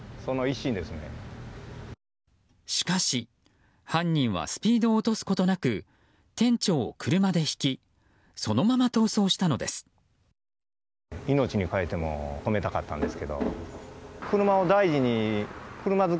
しかし、犯人はスピードを落とすことなく店長を車でひきそのまま逃走したのです。